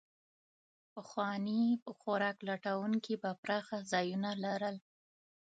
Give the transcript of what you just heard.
پخواني خوراک لټونکي به پراخه ځایونه لرل.